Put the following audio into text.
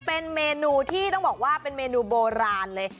เป็นเมนูที่ต้องบอกว่าเป็นเมนูโบราณเลย